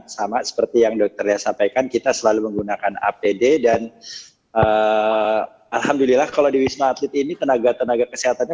sama seperti yang dokter ya sampaikan kita selalu menggunakan apd dan alhamdulillah kalau di wisma atlet ini tenaga tenaga kesehatannya